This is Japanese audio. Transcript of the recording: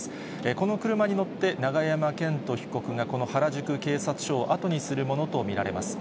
この車に乗って、永山絢斗被告がこの原宿警察署を後にするものと見られます。